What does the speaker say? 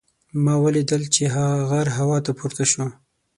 ما ولیدل چې هغه غر هوا ته پورته شو.